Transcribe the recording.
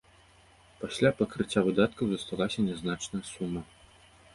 Пасля пакрыцця выдаткаў засталася нязначная сума.